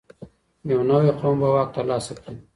یو نوی قوم به واک ترلاسه کړي.